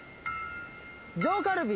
上カルビ。